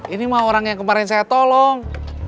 ini mah orang yang kemarin saya tolong